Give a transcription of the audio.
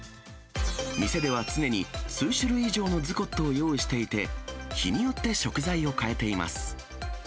店では常に、数種類以上のズコットを用意していて、日によって食材を変えています。